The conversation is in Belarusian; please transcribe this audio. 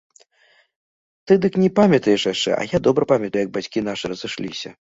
Ты дык не памятаеш яшчэ, а я добра памятаю, як бацькі нашы разышліся.